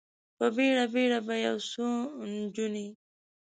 په بیړه، بیړه به یو څو نجونې،